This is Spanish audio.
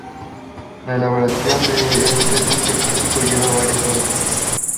La elaboración de este dulce típico lleva varias horas.